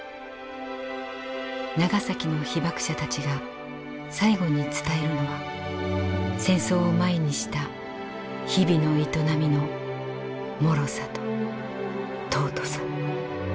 「ナガサキ」の被爆者たちが最後に伝えるのは戦争を前にした日々の営みのもろさと尊さ。